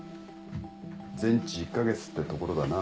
全治１カ月ってところだな。